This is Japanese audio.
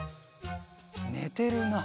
ねてるな。